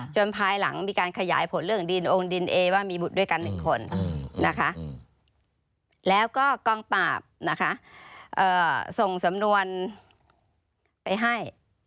ภายหลังมีการขยายผลเรื่องดินองค์ดินเอว่ามีบุตรด้วยกัน๑คนนะคะแล้วก็กองปราบนะคะส่งสำนวนไปให้